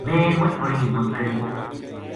میں مُچ بڑی ہمت کری